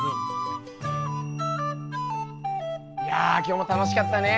いや今日も楽しかったね。